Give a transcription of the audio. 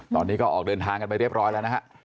ตอนนี้ก็ออกเดินทางกันไปเรียบร้อยแล้วนะฮะ